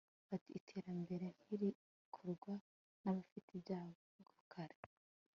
ati iterambere ntirikorwa nabafite ibyago kare. ..